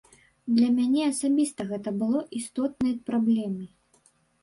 Для мяне асабіста гэта было істотнай праблемай.